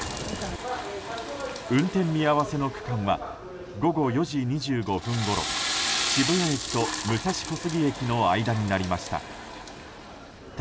運転見合わせの区間は午後４時２５分ごろ渋谷駅と武蔵小杉駅の間になりました。